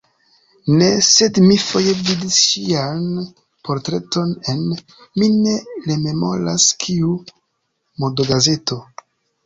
Ne, sed mi foje vidis ŝian portreton en, mi ne rememoras kiu, modogazeto.